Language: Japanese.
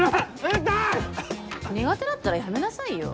苦手だったらやめなさいよ。